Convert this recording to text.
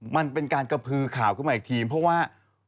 มันเป็นการกระพือข่าวขึ้นมาอีกทีเพราะว่า